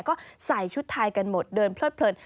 ก็ใส่ชุดไทยกันหมดเดินเพลิด